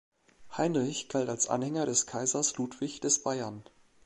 Heinrich galt als Anhänger des Kaisers Ludwig des Bayern.